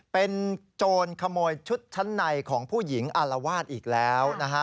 เป็นโจรขโมยชุดชั้นในของผู้หญิงอารวาสอีกแล้วนะฮะ